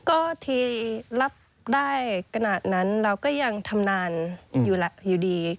ก็ทีรับได้ขนาดนั้นเราก็ยังทำนานอยู่ดี